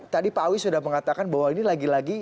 tadi pak awi sudah mengatakan bahwa ini lagi lagi